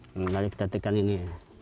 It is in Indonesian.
menarik tetepan ini